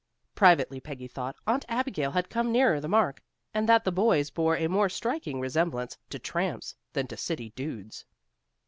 Privately, Peggy thought Aunt Abigail had come nearer the mark, and that the boys bore a more striking resemblance to tramps than to city dudes.